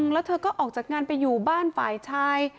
แล้วเธอก็ออกจากงานไปอยู่บ้านฝ่ายชาย